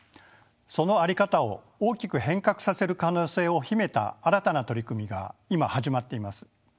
その在り方を大きく変革させる可能性を秘めた新たな取り組みが今始まっています。